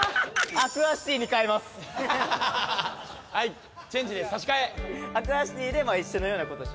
アクアシティでまあ一緒なような事をしますね。